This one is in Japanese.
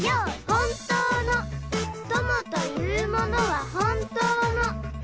「本当の友というものは」